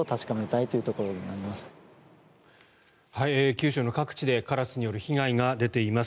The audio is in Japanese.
九州の各地でカラスによる被害が出ています。